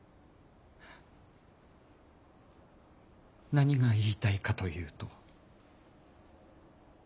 何が言いたいかというと。